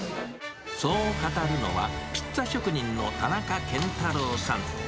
そう語るのは、ピッツァ職人の田中健太郎さん。